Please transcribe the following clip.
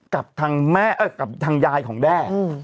กับทางยายของแด้